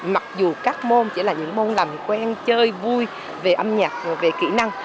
mặc dù các môn chỉ là những môn làm quen chơi vui về âm nhạc về kỹ năng